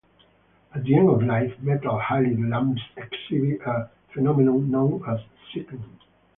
At the end of life, metal-halide lamps exhibit a phenomenon known as "cycling".